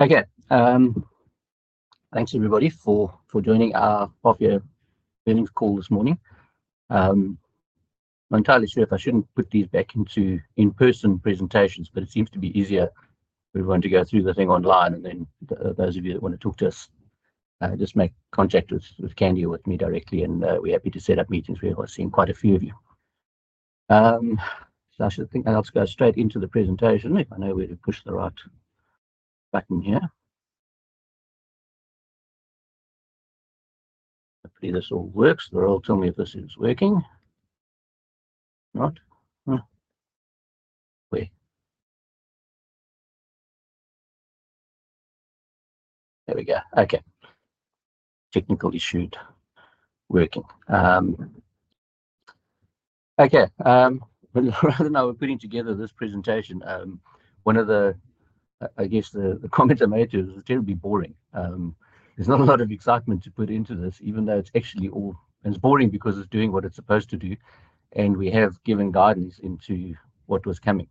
Okay. Thanks, everybody, for joining our half-year earnings call this morning. I'm not entirely sure if I shouldn't put these back into in-person presentations, but it seems to be easier if we want to go through the thing online, and then those of you that want to talk to us, just make contact with Candy or with me directly, and we're happy to set up meetings. We're seeing quite a few of you, so I should think I'll just go straight into the presentation. I know we're going to push the right button here. Hopefully, this all works. The URL told me if this is working. Not. Wait. There we go. Okay. Technical issue. Working. Okay. Rather than putting together this presentation, one of the, I guess, the comments I made to it was terribly boring. There's not a lot of excitement to put into this, even though it's actually all, and it's boring because it's doing what it's supposed to do, and we have given guidance into what was coming.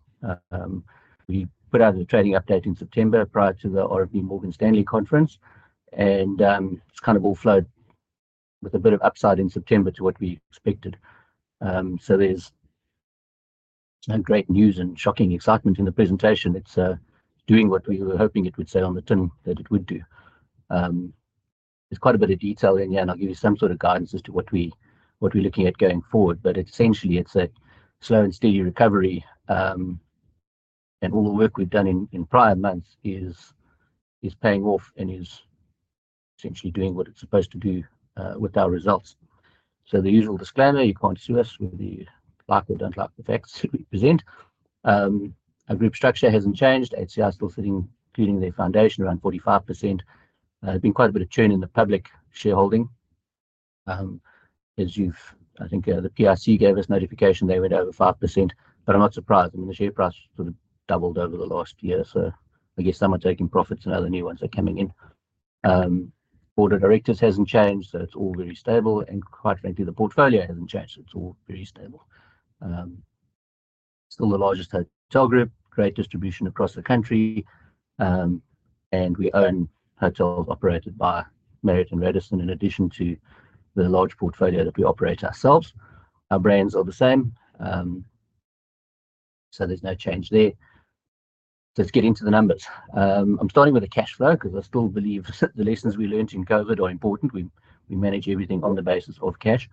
We put out a trading update in September prior to the RMB Morgan Stanley Conference, and it's kind of all flowed with a bit of upside in September to what we expected. So there's great news and shocking excitement in the presentation. It's doing what we were hoping it would say on the tin that it would do. There's quite a bit of detail in here, and I'll give you some sort of guidance as to what we're looking at going forward. But essentially, it's a slow and steady recovery, and all the work we've done in prior months is paying off and is essentially doing what it's supposed to do with our results. So the usual disclaimer: you can't sue us with the like or don't like effects that we present. Our group structure hasn't changed. HCI is still sitting, including their foundation, around 45%. There's been quite a bit of churn in the public shareholding. As you've, I think, the PIC gave us notification they went over 5%, but I'm not surprised. I mean, the share price sort of doubled over the last year, so I guess some are taking profits and other new ones are coming in. Board of directors hasn't changed, so it's all very stable. And quite frankly, the portfolio hasn't changed. It's all very stable. Still the largest hotel group, great distribution across the country, and we own hotels operated by Marriott and Radisson in addition to the large portfolio that we operate ourselves. Our brands are the same, so there's no change there. Let's get into the numbers. I'm starting with the cash flow because I still believe the lessons we learned in COVID are important. We manage everything on the basis of cash.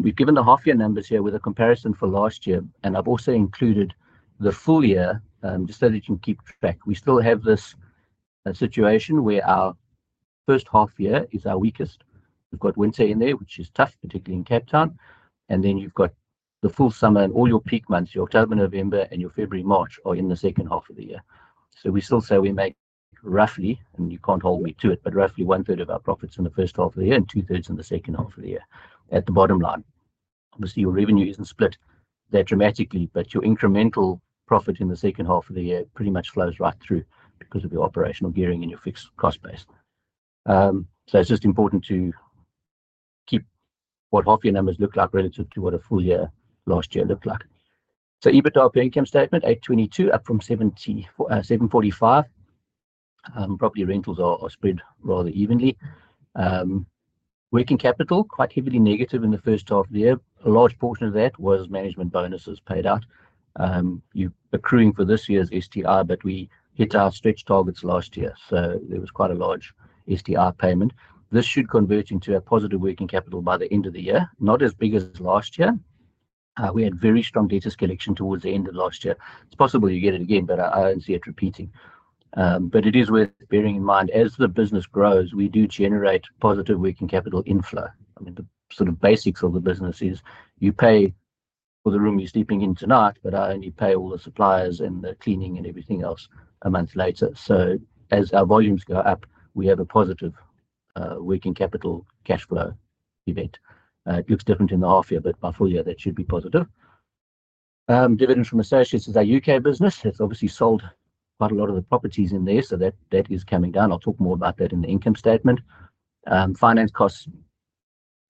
We've given the half-year numbers here with a comparison for last year, and I've also included the full year just so that you can keep track. We still have this situation where our first half year is our weakest. We've got winter in there, which is tough, particularly in Cape Town. and then you've got the full summer and all your peak months, your October, November, and your February, March are in the second half of the year. So we still say we make roughly, and you can't hold me to it, but roughly 1/3 of our profits in the first half of the year and 2/3 in the second half of the year at the bottom line. Obviously, your revenue isn't split there dramatically, but your incremental profit in the second half of the year pretty much flows right through because of your operational gearing and your fixed cost base. So it's just important to keep what half-year numbers look like relative to what a full year last year looked like. So EBITDA per income statement, 822, up from 745. Probably rentals are spread rather evenly. Working capital, quite heavily negative in the first half of the year. A large portion of that was management bonuses paid out. You're accruing for this year's STR, but we hit our stretch targets last year, so there was quite a large STR payment. This should convert into a positive working capital by the end of the year, not as big as last year. We had very strong data collection towards the end of last year. It's possible you get it again, but I don't see it repeating. But it is worth bearing in mind, as the business grows, we do generate positive working capital inflow. I mean, the sort of basics of the business is you pay for the room you're sleeping in tonight, but I only pay all the suppliers and the cleaning and everything else a month later. So as our volumes go up, we have a positive working capital cash flow event. It looks different in the half-year, but by full year, that should be positive. Dividends from associates is our U.K. business. It's obviously sold quite a lot of the properties in there, so that is coming down. I'll talk more about that in the income statement. Finance costs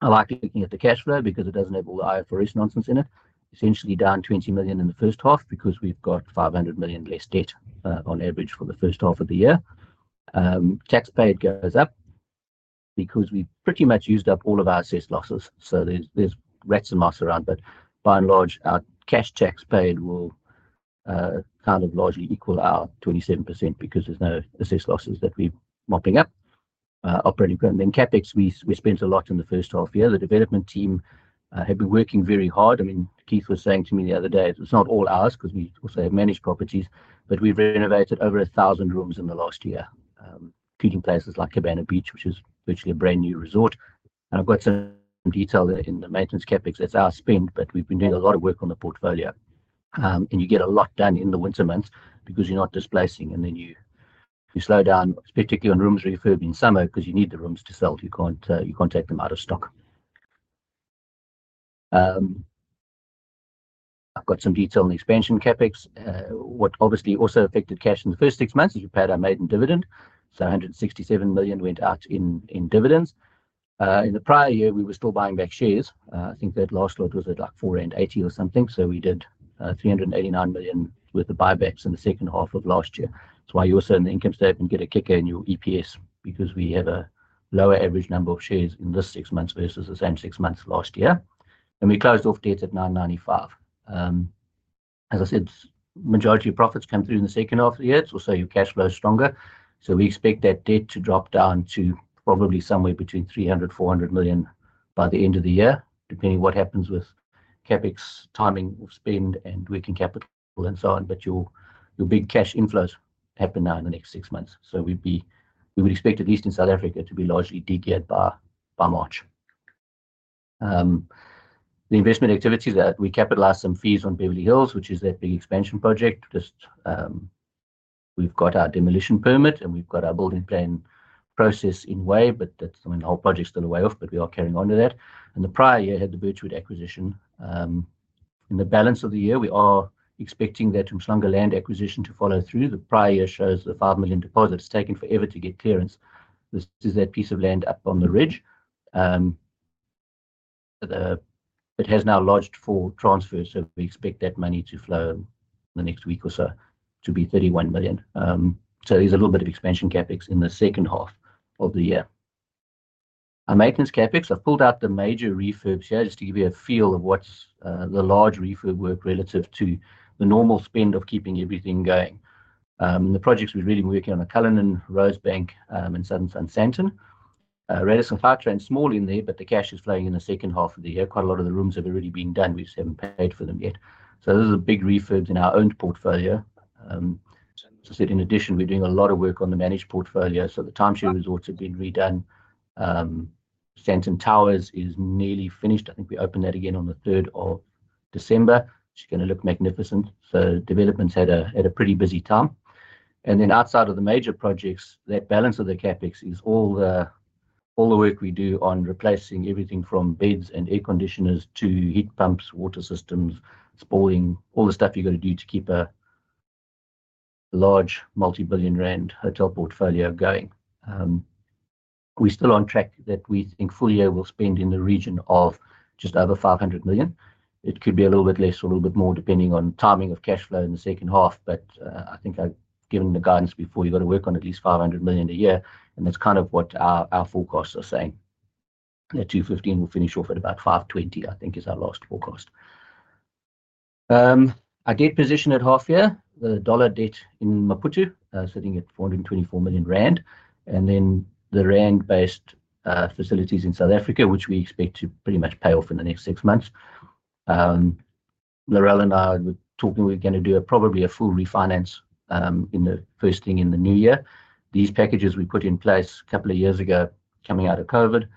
are likely looking at the cash flow because it doesn't have all the IFRS nonsense in it. Essentially down 20 million in the first half because we've got 500 million less debt on average for the first half of the year. Tax paid goes up because we pretty much used up all of our assessed losses. So there's rats and mice around, but by and large, our cash tax paid will kind of largely equal our 27% because there's no assessed losses that we're mopping up. Operating equipment. In CapEx, we spent a lot in the first half year. The development team had been working very hard. I mean, Keith was saying to me the other day, it's not all ours because we also have managed properties, but we've renovated over 1,000 rooms in the last year, including places like Cabana Beach, which is virtually a brand new resort. And I've got some detail there in the maintenance CapEx. That's our spend, but we've been doing a lot of work on the portfolio. And you get a lot done in the winter months because you're not displacing, and then you slow down, particularly on room refurbs in summer because you need the rooms to sell. You can't take them out of stock. I've got some detail on expansion CapEx. What obviously also affected cash in the first six months is we paid our maiden dividend. So 167 million went out in dividends. In the prior year, we were still buying back shares. I think that last lot was at like 4.80 or something. So we did 389 million worth of buybacks in the second half of last year. That's why you also in the income statement get a kicker in your EPS because we have a lower average number of shares in this six months versus the same six months last year. And we closed off debt at 995 million. As I said, majority of profits come through in the second half of the year. It's also your cash flow is stronger. So we expect that debt to drop down to probably somewhere between 300 million-400 million by the end of the year, depending on what happens with CapEx timing of spend and working capital and so on. But your big cash inflows happen now in the next six months. So we would expect at least in South Africa to be largely degeared by March. The investment activity that we capitalised some fees on Beverly Hills, which is that big expansion project. We've got our demolition permit, and we've got our building plan process underway, but that's when the whole project's still a way off, but we are carrying on with that. The prior year had the Birchwood acquisition. In the balance of the year, we are expecting that uMhlanga land acquisition to follow through. The prior year shows the 5 million deposit. It's taken forever to get clearance. This is that piece of land up on the ridge. It has now lodged for transfers, so we expect that money to flow in the next week or so to be 31 million. There's a little bit of expansion CapEx in the second half of the year. Our maintenance CapEx. I've pulled out the major refurbs here just to give you a feel of what's the large refurb work relative to the normal spend of keeping everything going. The projects we're really working on are Cullinan, Rosebank, and Southern Sun Sandton. Radisson Gautrain and small in there, but the cash is flowing in the second half of the year. Quite a lot of the rooms have already been done. We just haven't paid for them yet. So those are the big refurbs in our own portfolio. As I said, in addition, we're doing a lot of work on the managed portfolio. So the timeshare resorts have been redone. Sandton Towers is nearly finished. I think we opened that again on the 3rd of December. It's going to look magnificent. So developments had a pretty busy time. And then outside of the major projects, that balance of the CapEx is all the work we do on replacing everything from beds and air conditioners to heat pumps, water systems, pooling, all the stuff you've got to do to keep a large multi-billion-rand hotel portfolio going. We're still on track that we think full year will spend in the region of just over 500 million. It could be a little bit less or a little bit more depending on timing of cash flow in the second half, but I think given the guidance before, you've got to work on at least 500 million a year, and that's kind of what our forecasts are saying. At 215 million, we'll finish off at about 520 million, I think, is our last forecast. Our debt position at half year, the dollar debt in Maputo, sitting at 424 million rand, and then the rand-based facilities in South Africa, which we expect to pretty much pay off in the next six months. Laurelle and I were talking we were going to do probably a full refinance in the first thing in the new year. These packages we put in place a couple of years ago coming out of COVID,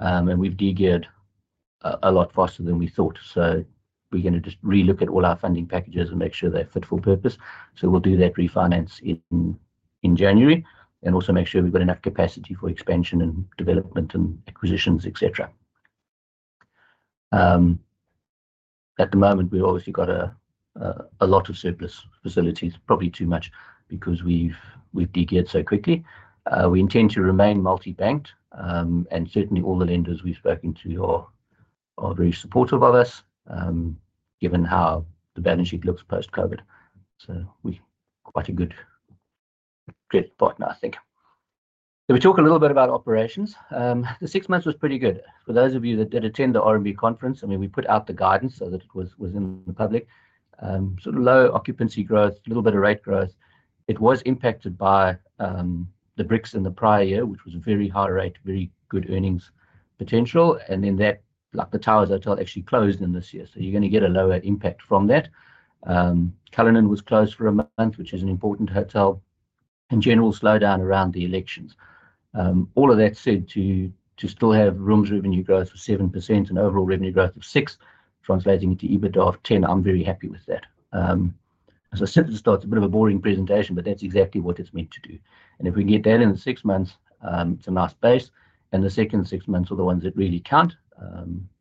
and we've degeared a lot faster than we thought. So we're going to just relook at all our funding packages and make sure they fit for purpose. So we'll do that refinance in January and also make sure we've got enough capacity for expansion and development and acquisitions, etc. At the moment, we've obviously got a lot of surplus facilities, probably too much because we've degeared so quickly. We intend to remain multi-banked, and certainly all the lenders we've spoken to are very supportive of us, given how the balance sheet looks post-COVID, so we're quite a good spot now, I think, so we talk a little bit about operations. The six months was pretty good. For those of you that did attend the RMB conference, I mean, we put out the guidance so that it was in the public. Sort of low occupancy growth, a little bit of rate growth. It was impacted by the BRICS in the prior year, which was a very high rate, very good earnings potential, and then that, like the Towers, actually closed in this year. So you're going to get a lower impact from that. Cullinan was closed for a month, which is an important hotel. In general, slowdown around the elections. All of that said to still have rooms revenue growth of 7% and overall revenue growth of 6%, translating into EBITDA of 10%. I'm very happy with that. As I said, this starts a bit of a boring presentation, but that's exactly what it's meant to do. And if we get that in the six months, it's a nice base. And the second six months are the ones that really count.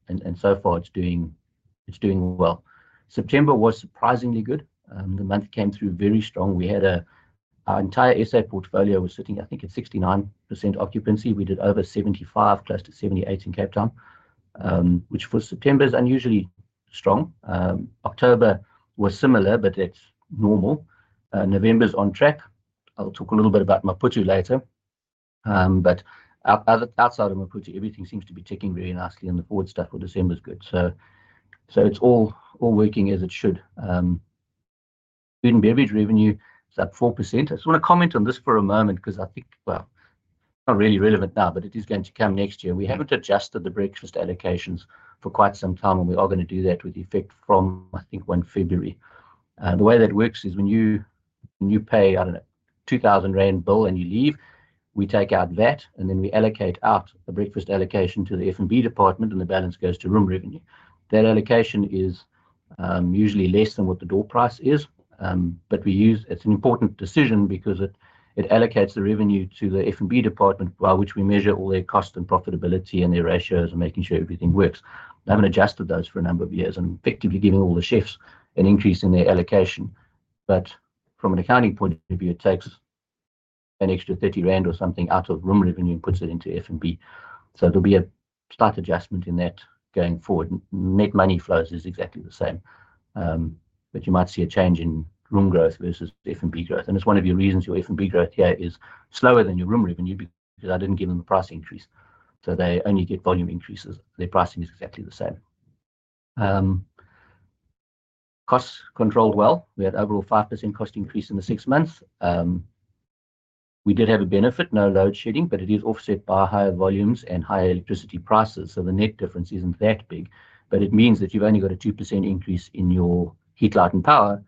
And so far, it's doing well. September was surprisingly good. The month came through very strong. Our entire SA portfolio was sitting, I think, at 69% occupancy. We did over 75%, close to 78% in Cape Town, which for September is unusually strong. October was similar, but that's normal. November's on track. I'll talk a little bit about Maputo later. But outside of Maputo, everything seems to be ticking very nicely, and the forward stuff for December is good. So it's all working as it should. Food and beverage revenue is up 4%. I just want to comment on this for a moment because I think, well, not really relevant now, but it is going to come next year. We haven't adjusted the breakfast allocations for quite some time, and we are going to do that with the effect from, I think, 1 February. The way that works is when you pay, I don't know, 2,000 rand bill and you leave, we take out that, and then we allocate out the breakfast allocation to the F&B department, and the balance goes to room revenue. That allocation is usually less than what the door price is, but it's an important decision because it allocates the revenue to the F&B department, which we measure all their cost and profitability and their ratios and making sure everything works. We haven't adjusted those for a number of years and effectively giving all the chefs an increase in their allocation. But from an accounting point of view, it takes an extra 30 rand or something out of room revenue and puts it into F&B. So there'll be a slight adjustment in that going forward. Net money flows is exactly the same, but you might see a change in room growth versus F&B growth, and it's one of your reasons your F&B growth here is slower than your room revenue because I didn't give them the price increase. So they only get volume increases. Their pricing is exactly the same. Cost controlled well. We had overall 5% cost increase in the six months. We did have a benefit, no load shedding, but it is offset by higher volumes and higher electricity prices. So the net difference isn't that big, but it means that you've only got a 2% increase in your heat, light, and power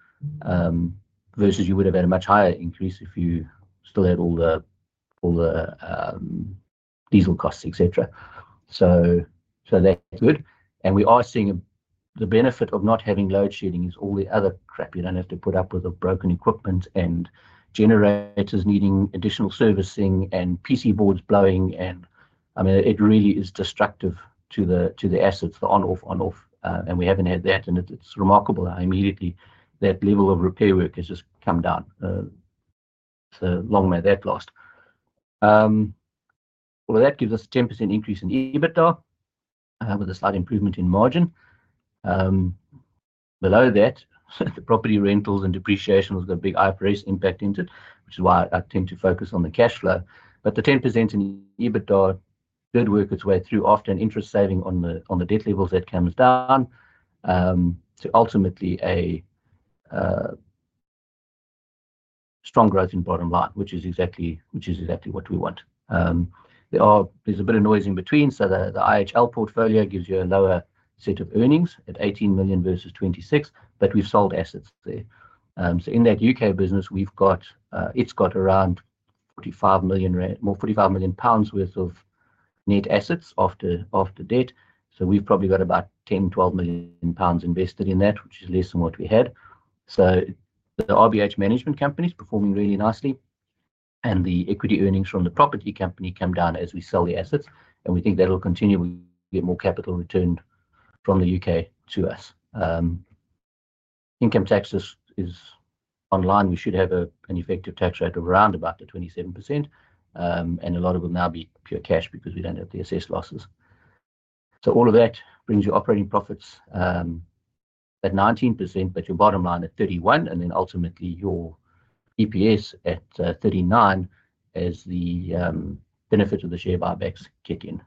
versus you would have had a much higher increase if you still had all the diesel costs, etc. So that's good. And we are seeing the benefit of not having load shedding. It's all the other crap you don't have to put up with of broken equipment and generators needing additional servicing and PC boards blowing. I mean, it really is destructive to the assets, the on-off, on-off. And we haven't had that, and it's remarkable. That level of repair work has just come down. It's a long way that lost. Well, that gives us a 10% increase in EBITDA with a slight improvement in margin. Below that, the property rentals and depreciation has got a big IFRS impact into it, which is why I tend to focus on the cash flow. But the 10% in EBITDA did work its way through, after an interest saving on the debt levels that comes down to ultimately a strong growth in bottom line, which is exactly what we want. There's a bit of noise in between. So the IHL portfolio gives you a lower set of earnings at 18 million versus 26, but we've sold assets there. So in that UK business, it's got around 45 million pounds worth of net assets after debt. So we've probably got about 10 million-12 million pounds invested in that, which is less than what we had. So the RBH management company is performing really nicely, and the equity earnings from the property company come down as we sell the assets. And we think that'll continue when we get more capital returned from the UK to us. Income taxes are in line. We should have an effective tax rate of around about the 27%, and a lot of it will now be pure cash because we don't have the assessed losses. So all of that brings your operating profits at 19%, but your bottom line at 31, and then ultimately your EPS at 39 as the benefit of the share buybacks kick in.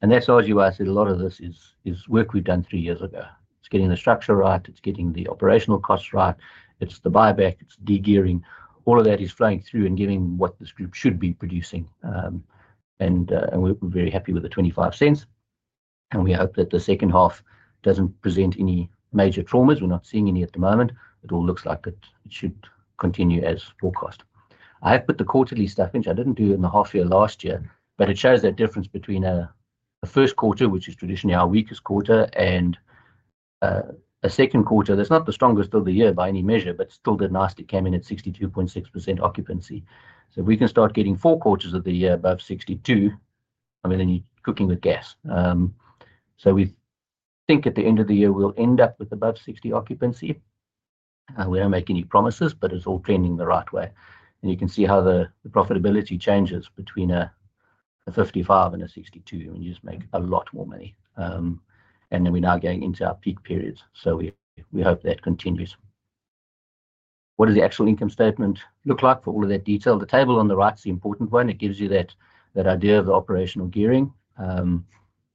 And that's always, as I said, a lot of this is work we've done three years ago. It's getting the structure right. It's getting the operational costs right. It's the buyback. It's degearing. All of that is flowing through and giving what this group should be producing. And we're very happy with 0.25. And we hope that the second half doesn't present any major traumas. We're not seeing any at the moment. It all looks like it should continue as forecast. I have put the quarterly stuff in. I didn't do it in the half year last year, but it shows that difference between a first quarter, which is traditionally our weakest quarter, and a second quarter. That's not the strongest of the year by any measure, but still did nicely come in at 62.6% occupancy. So if we can start getting four quarters of the year above 62, I mean, then you're cooking with gas. So we think at the end of the year, we'll end up with above 60 occupancy. We don't make any promises, but it's all trending the right way. And you can see how the profitability changes between a 55 and a 62, and you just make a lot more money. And then we're now going into our peak periods. So we hope that continues. What does the actual income statement look like for all of that detail? The table on the right is the important one. It gives you that idea of the operational gearing.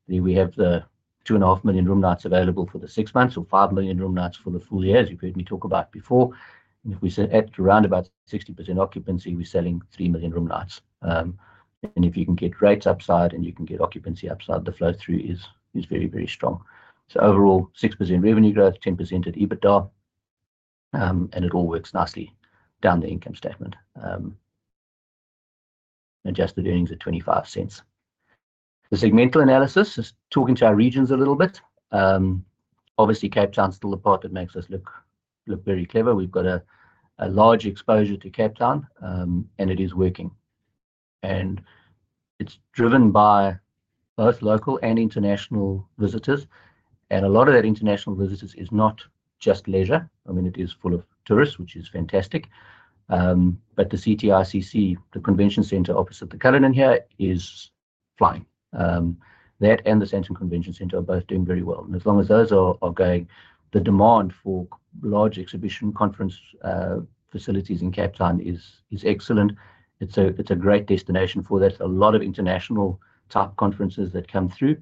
We have the 2.5 million room nights available for the six months or 5 million room nights for the full year, as you've heard me talk about before. And if we set at around about 60% occupancy, we're selling 3 million room nights. And if you can get rates upside and you can get occupancy upside, the flow through is very, very strong. So overall, 6% revenue growth, 10% at EBITDA, and it all works nicely down the income statement. Adjusted earnings at 0.25. The segmental analysis is talking to our regions a little bit. Obviously, Cape Town's still the part that makes us look very clever. We've got a large exposure to Cape Town, and it is working. And it's driven by both local and international visitors. And a lot of that international visitors is not just leisure. I mean, it is full of tourists, which is fantastic. But the CTICC, the convention centre opposite the Cullinan here, is flying. That and the Sandton Convention Centre are both doing very well. And as long as those are going, the demand for large exhibition conference facilities in Cape Town is excellent. It's a great destination for that. There's a lot of international type conferences that come through,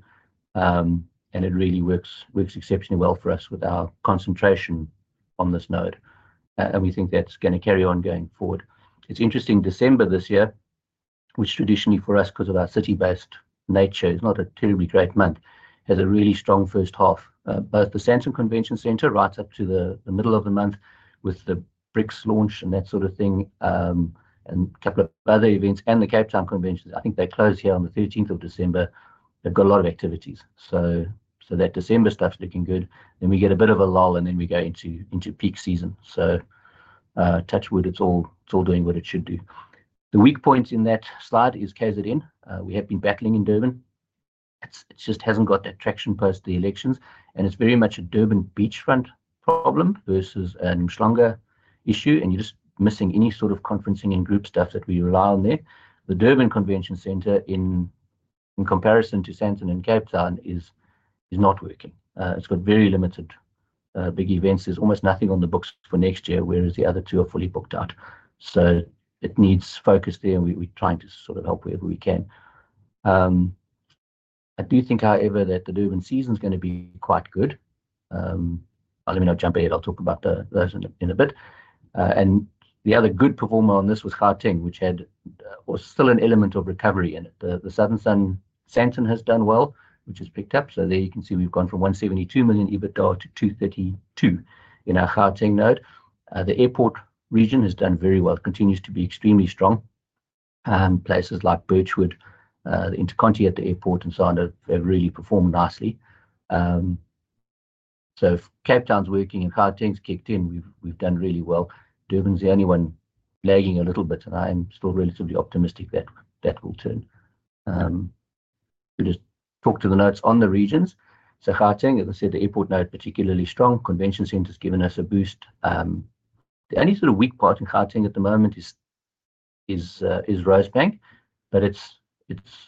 and it really works exceptionally well for us with our concentration on this node. And we think that's going to carry on going forward. It's interesting, December this year, which traditionally for us, because of our city-based nature, is not a terribly great month, has a really strong first half. Both the Sandton Convention Centre right up to the middle of the month with the BRICS launch and that sort of thing and a couple of other events and the Cape Town Convention. I think they close here on the 13th of December. They've got a lot of activities. So that December stuff's looking good. Then we get a bit of a lull, and then we go into peak season. So touch wood, it's all doing what it should do. The weak points in that slide is KZN. We have been battling in Durban. It just hasn't got that traction post the elections. And it's very much a Durban beachfront problem versus a stronger issue, and you're just missing any sort of conferencing and group stuff that we rely on there. The Durban Convention Centre, in comparison to Sandton and Cape Town, is not working. It's got very limited big events. There's almost nothing on the books for next year, whereas the other two are fully booked out. So it needs focus there, and we're trying to sort of help wherever we can. I do think, however, that the Durban season is going to be quite good. Let me not jump ahead. I'll talk about those in a bit. The other good performer on this was Gauteng, which had still an element of recovery in it. The Southern Sun Sandton has done well, which has picked up. So there you can see we've gone from 172 million EBITDA to 232 million in our Gauteng node. The airport region has done very well. It continues to be extremely strong. Places like Birchwood, the InterContinental at the airport and so on have really performed nicely. So if Cape Town's working and Gauteng's kicked in, we've done really well. Durban's the only one lagging a little bit, and I'm still relatively optimistic that will turn. Now to the notes on the regions. So Gauteng, as I said, the airport node particularly strong. Convention Centre's given us a boost. The only sort of weak part in Gauteng at the moment is Rosebank, but it's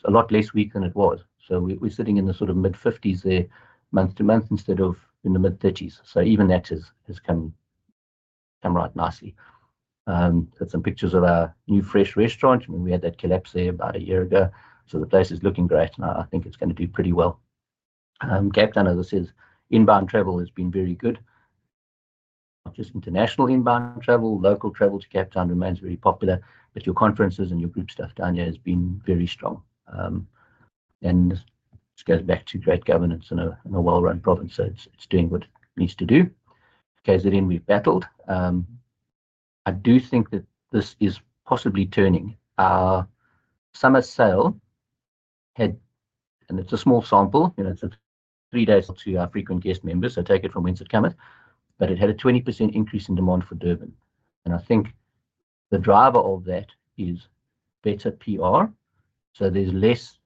a lot less weak than it was. So we're sitting in the sort of mid-50s there month to month instead of in the mid-30s. So even that has come right nicely. That's some pictures of our new fresh restaurant. We had that collapse there about a year ago. So the place is looking great, and I think it's going to do pretty well. Cape Town, as I said, inbound travel has been very good. Not just international inbound travel. Local travel to Cape Town remains very popular, but your conferences and your group stuff down there has been very strong. This goes back to great governance in a well-run province. It's doing what it needs to do. KZN, we've battled. I do think that this is possibly turning. Our summer sale had, and it's a small sample. It's a three-day. To our frequent guest members. Take it from whence it comes. It had a 20% increase in demand for Durban. I think the driver of that is better PR. There's less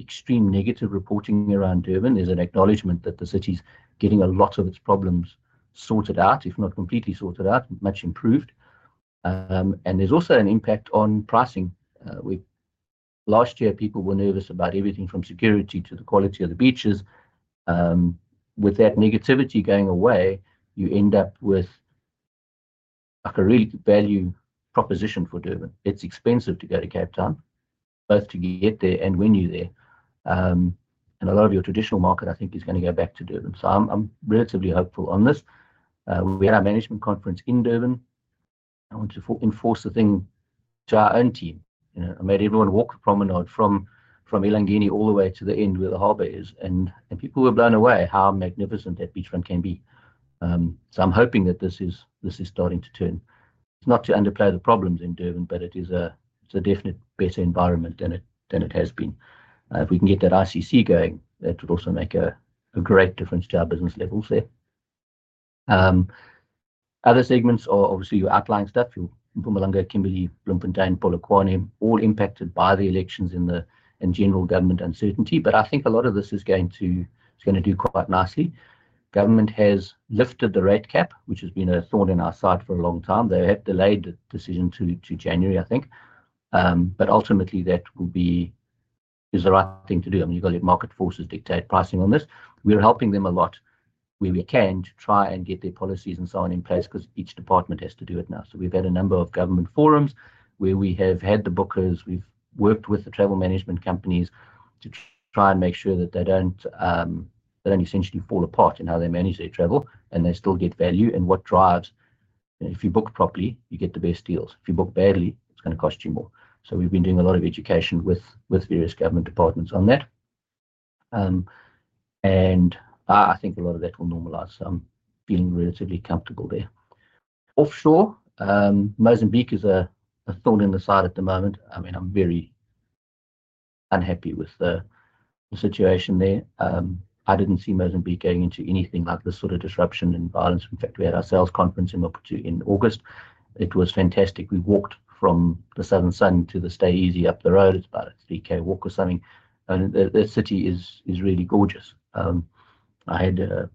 extreme negative reporting around Durban. There's an acknowledgement that the city's getting a lot of its problems sorted out, if not completely sorted out, much improved. There's also an impact on pricing. Last year, people were nervous about everything from security to the quality of the beaches. With that negativity going away, you end up with a really good value proposition for Durban. It's expensive to go to Cape Town, both to get there and when you're there. And a lot of your traditional market, I think, is going to go back to Durban. So I'm relatively hopeful on this. We had our management conference in Durban. I want to enforce the thing to our own team. I made everyone walk the promenade from Elangeni all the way to the end where the harbor is. And people were blown away how magnificent that beachfront can be. So I'm hoping that this is starting to turn. It's not to underplay the problems in Durban, but it's a definite better environment than it has been. If we can get that ICC going, that would also make a great difference to our business levels there. Other segments, obviously, your outlying stuff, your Mpumalanga, Kimberley, Bloemfontein, Polokwane, all impacted by the elections and general government uncertainty, but I think a lot of this is going to do quite nicely. Government has lifted the rate cap, which has been a thorn in our side for a long time. They have delayed the decision to January, I think, but ultimately, that will be the right thing to do. I mean, you've got to let market forces dictate pricing on this. We're helping them a lot where we can to try and get their policies and so on in place because each department has to do it now, so we've had a number of government forums where we have had the bookers. We've worked with the travel management companies to try and make sure that they don't essentially fall apart in how they manage their travel and they still get value. And what drives, if you book properly, you get the best deals. If you book badly, it's going to cost you more. So we've been doing a lot of education with various government departments on that. And I think a lot of that will normalize. So I'm feeling relatively comfortable there. Offshore, Mozambique is a thorn in the side at the moment. I mean, I'm very unhappy with the situation there. I didn't see Mozambique going into anything like this sort of disruption and violence. In fact, we had our sales conference in August. It was fantastic. We walked from the Southern Sun to the StayEasy up the road. It's about a three-kay walk or something. The city is really gorgeous. There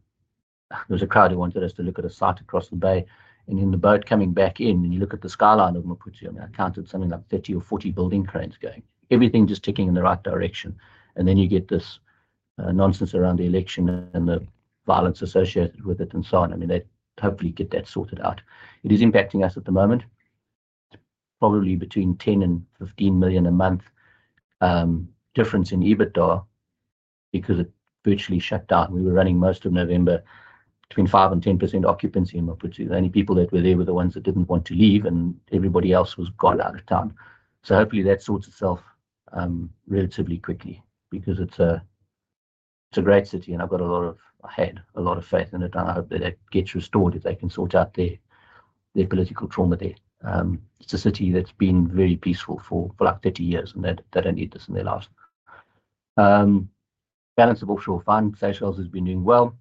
was a crowd who wanted us to look at a site across the bay, and then the boat coming back in, and you look at the skyline of Maputo. I mean, I counted something like 30 or 40 building cranes going. Everything just ticking in the right direction, and then you get this nonsense around the election and the violence associated with it and so on. I mean, hopefully, get that sorted out. It is impacting us at the moment. It's probably between 10 million and 15 million a month difference in EBITDA because it virtually shut down. We were running most of November between 5% and 10% occupancy in Maputo. The only people that were there were the ones that didn't want to leave, and everybody else was gone out of town. Hopefully, that sorts itself relatively quickly because it's a great city, and I've got a lot of faith in it, and I hope that it gets restored if they can sort out their political trauma there. It's a city that's been very peaceful for like 30 years, and they don't need this in their lives. Balance of offshore funds, Seychelles has been doing well.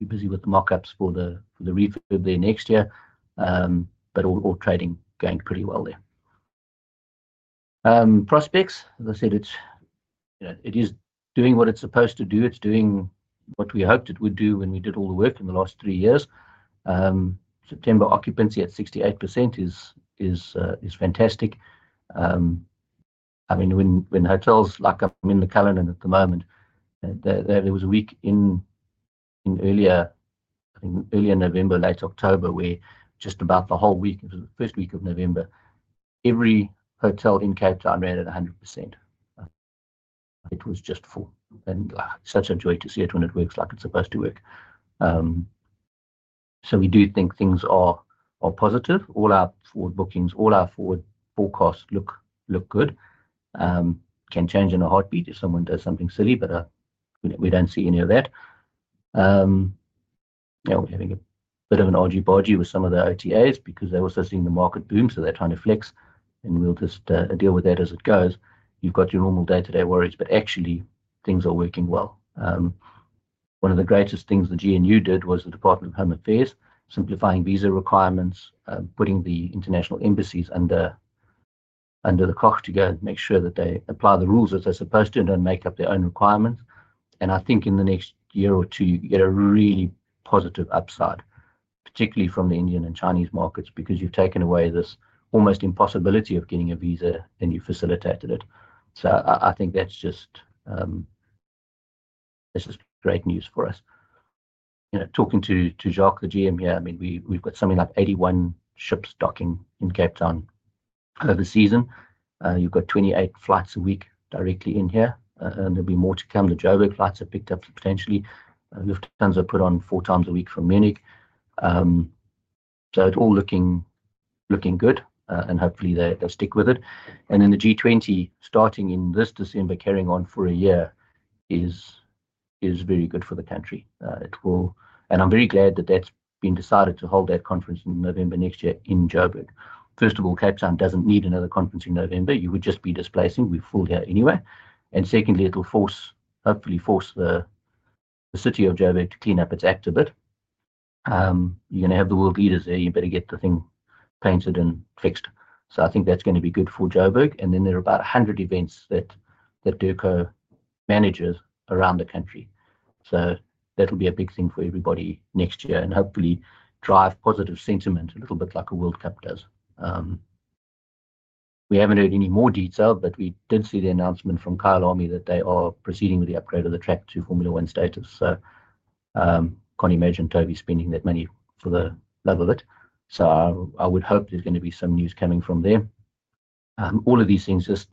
We're busy with the mock-ups for the refurb there next year, but all trading going pretty well there. Prospects, as I said, it is doing what it's supposed to do. It's doing what we hoped it would do when we did all the work in the last three years. September occupancy at 68% is fantastic. I mean, when hotels like I'm in the Cullinan at the moment, there was a week in early November, late October, where just about the whole week, it was the first week of November, every hotel in Cape Town ran at 100%. It was just full. And it's such a joy to see it when it works like it's supposed to work. So we do think things are positive. All our forward bookings, all our forward forecasts look good. Can change in a heartbeat if someone does something silly, but we don't see any of that. Yeah, we're having a bit of an argy-bargy with some of the OTAs because they're also seeing the market boom, so they're trying to flex, and we'll just deal with that as it goes. You've got your normal day-to-day worries, but actually, things are working well. One of the greatest things the GNU did was the Department of Home Affairs simplifying visa requirements, putting the international embassies under the cosh to go and make sure that they apply the rules as they're supposed to and don't make up their own requirements. I think in the next year or two, you get a really positive upside, particularly from the Indian and Chinese markets because you've taken away this almost impossibility of getting a visa, and you've facilitated it. So I think that's just great news for us. Talking to Jacques, the GM here, I mean, we've got something like 81 ships docking in Cape Town over the season. You've got 28 flights a week directly in here, and there'll be more to come. The Jo'burg flights are picked up substantially. Lufthansa put on four times a week from Munich. So it's all looking good, and hopefully, they'll stick with it. And then the G20 starting in this December, carrying on for a year, is very good for the country. And I'm very glad that that's been decided to hold that conference in November next year in Jo'burg. First of all, Cape Town doesn't need another conference in November. You would just be displacing. We're full here anyway. And secondly, it'll hopefully force the City of Jo'burg to clean up its act a bit. You're going to have the world leaders there. You better get the thing painted and fixed. So I think that's going to be good for Jo'burg. And then there are about 100 events that DIRCO manages around the country. So that'll be a big thing for everybody next year and hopefully drive positive sentiment a little bit like a World Cup does. We haven't heard any more detail, but we did see the announcement from Kyalami that they are proceeding with the upgrade of the track to Formula 1 status. So I can't imagine Toby spending that money for the love of it. So I would hope there's going to be some news coming from there. All of these things just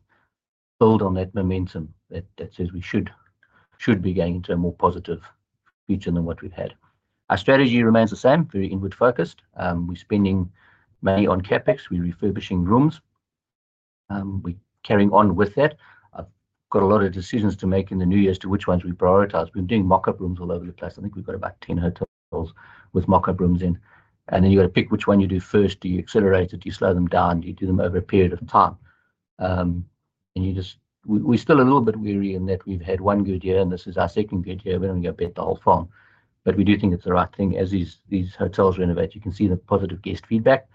build on that momentum that says we should be going into a more positive future than what we've had. Our strategy remains the same, very inward-focused. We're spending money on CapEx. We're refurbishing rooms. We're carrying on with that. I've got a lot of decisions to make in the new year as to which ones we prioritize. We're doing mock-up rooms all over the place. I think we've got about 10 hotels with mock-up rooms in. And then you've got to pick which one you do first. Do you accelerate it? Do you slow them down? Do you do them over a period of time? And we're still a little bit wary in that we've had one good year, and this is our second good year. We don't want to go bet the whole farm. But we do think it's the right thing as these hotels renovate. You can see the positive guest feedback.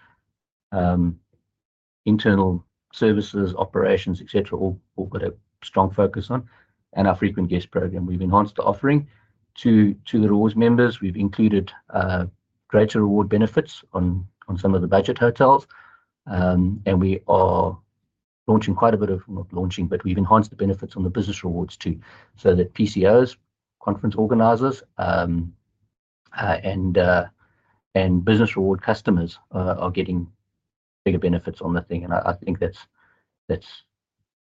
Internal services, operations, etc., all got a strong focus on. And our frequent guest program, we've enhanced the offering to the Rewards members. We've included greater reward benefits on some of the budget hotels. And we are launching quite a bit of not launching, but we've enhanced the benefits on the business rewards too so that PCOs, conference organizers, and business reward customers are getting bigger benefits on the thing. And I think that's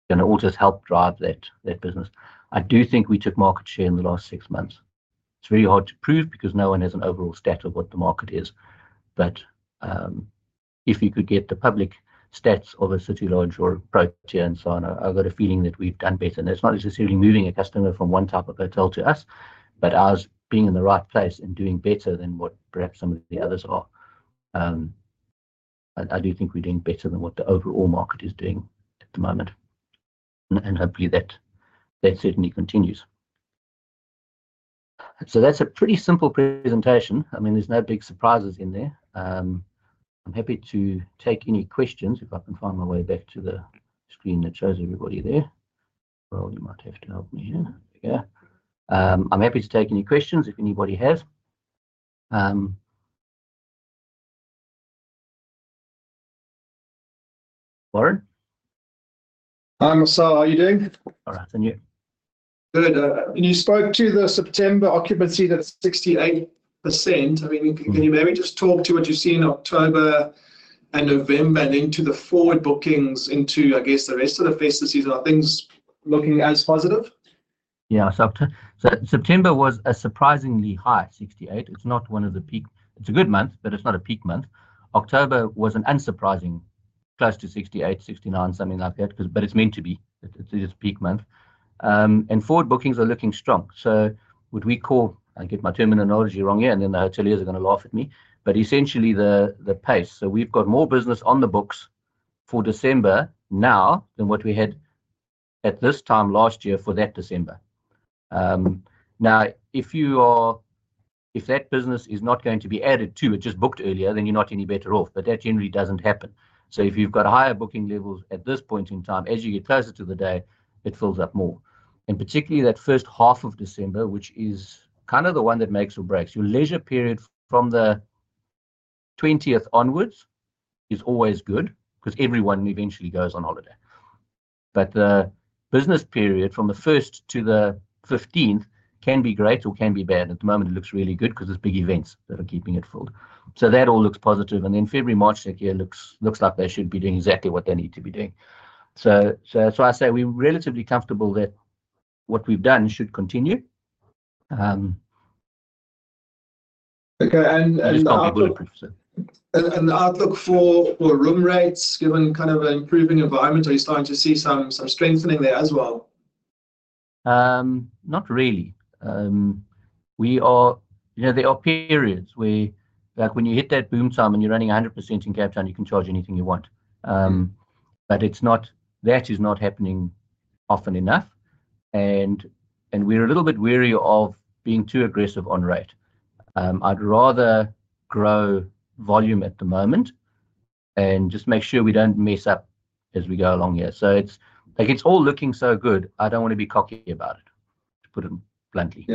going to all just help drive that business. I do think we took market share in the last six months. It's very hard to prove because no one has an overall stat of what the market is. But if you could get the public stats of a City Lodge or a property and so on, I've got a feeling that we've done better. And it's not necessarily moving a customer from one type of hotel to us, but us being in the right place and doing better than what perhaps some of the others are. I do think we're doing better than what the overall market is doing at the moment. And hopefully, that certainly continues. So that's a pretty simple presentation. I mean, there's no big surprises in there. I'm happy to take any questions if I can find my way back to the screen that shows everybody there. Or you might have to help me here. There we go. I'm happy to take any questions if anybody has. Warren? Hi, Marcel. How are you doing? All right. And you? Good. And you spoke to the September occupancy that's 68%. I mean, can you maybe just talk to what you see in October and November and into the forward bookings into, I guess, the rest of the festive season? Are things looking as positive? Yeah. So September was a surprisingly high, 68%. It's not one of the peak. It's a good month, but it's not a peak month. October was an unsurprising close to 68%-69%, something like that, but it's meant to be. It's a peak month. And forward bookings are looking strong. So what we call, I get my terminology wrong here, and then the hoteliers are going to laugh at me, but essentially the pace. So we've got more business on the books for December now than what we had at this time last year for that December. Now, if that business is not going to be added to, it just booked earlier, then you're not any better off. But that generally doesn't happen. So if you've got higher booking levels at this point in time, as you get closer to the day, it fills up more. And particularly that first half of December, which is kind of the one that makes or breaks. Your leisure period from the 20th onwards is always good because everyone eventually goes on holiday. But the business period from the 1st to the 15th can be great or can be bad. At the moment, it looks really good because there's big events that are keeping it filled. So that all looks positive. And then February, March next year looks like they should be doing exactly what they need to be doing. So I say we're relatively comfortable that what we've done should continue. Okay. And the outlook for room rates, given kind of an improving environment, are you starting to see some strengthening there as well? Not really. There are periods where when you hit that boom time and you're running 100% in Cape Town, you can charge anything you want. But that is not happening often enough. And we're a little bit wary of being too aggressive on rate. I'd rather grow volume at the moment and just make sure we don't mess up as we go along here. So it's all looking so good. I don't want to be cocky about it, to put it bluntly.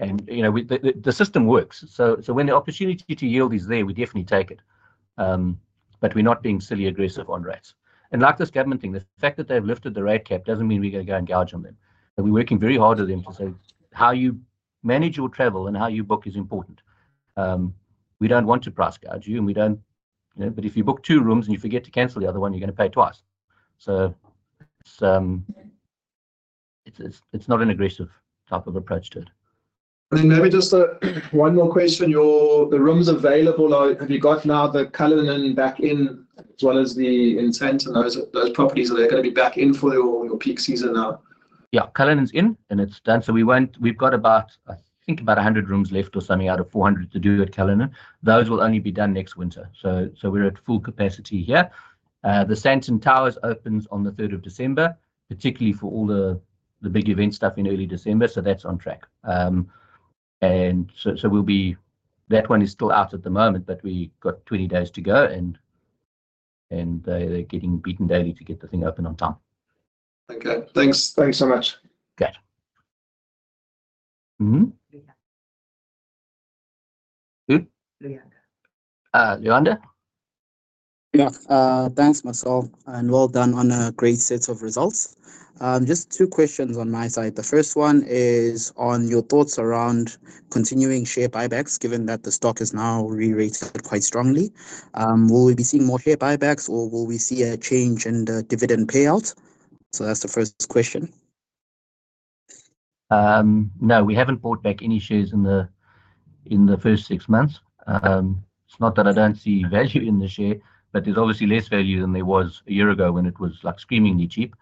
And the system works. So when the opportunity to yield is there, we definitely take it. But we're not being silly aggressive on rates. And like this government thing, the fact that they've lifted the rate cap doesn't mean we're going to go and gouge on them. And we're working very hard with them to say, "How you manage your travel and how you book is important." We don't want to price gouge you, and we don't. But if you book two rooms and you forget to cancel the other one, you're going to pay twice. So it's not an aggressive type of approach to it. I mean, maybe just one more question. The rooms available, have you got now the Cullinan back in as well as the InterContinental? Those properties, are they going to be back in for your peak season now? Yeah. Cullinan's in, and it's done. So we've got about, I think, about 100 rooms left or something out of 400 to do at Cullinan. Those will only be done next winter. So we're at full capacity here. The Sandton Towers opens on the 3rd of December, particularly for all the big event stuff in early December. So that's on track. And so that one is still out at the moment, but we've got 20 days to go, and they're getting beaten daily to get the thing open on time. Okay. Thanks so much. Okay. Leander? Yeah. Thanks, Marcel. And well done on a great set of results. Just two questions on my side. The first one is on your thoughts around continuing share buybacks, given that the stock is now re-rated quite strongly. Will we be seeing more share buybacks, or will we see a change in the dividend payout? So that's the first question. No, we haven't bought back any shares in the first six months. It's not that I don't see value in the share, but there's obviously less value than there was a year ago when it was screamingly cheap.